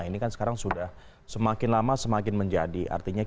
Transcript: ini kan sekarang sudah semakin lama semakin menjadi artinya